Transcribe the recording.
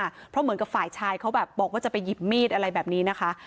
เพราะเหมือนกับฝ่ายชายเขาแบบบอกว่าจะไปหยิบมีดอะไรแบบนี้นะคะ